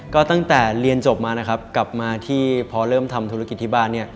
ก็ตั้งแต่เรียนจบมานะครับกลับมาที่พอเริ่มทำธุรกิจที่บ้านเนี่ย